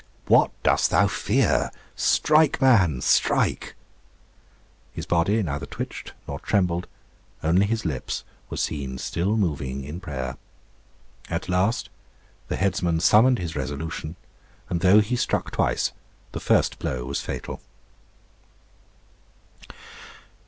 'What dost thou fear? Strike, man, strike!' His body neither twitched nor trembled; only his lips were seen still moving in prayer. At last the headsman summoned his resolution, and though he struck twice, the first blow was fatal.